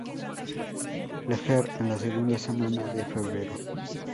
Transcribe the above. Leger en la segunda semana de febrero.